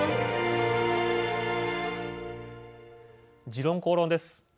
「時論公論」です。